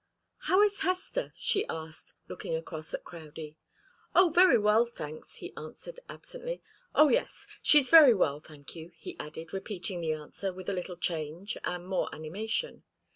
"How is Hester?" she asked, looking across at Crowdie. "Oh, very well, thanks," he answered, absently. "Oh, yes, she's very well, thank you," he added, repeating the answer with a little change and more animation.